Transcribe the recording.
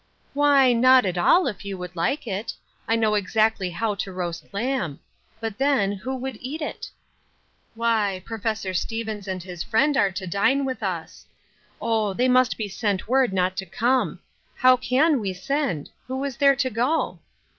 "Why, not at all, if you would like it, I know exactly how to roast lamb. But, then, who would eat it ?" "Why, Prof. Stevens and his friend are to dine with us. Oh, they must be sent word not to come I How can we send ? Who is there to go?"